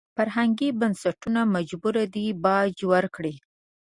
فرهنګي بنسټونه مجبور دي باج ورکړي.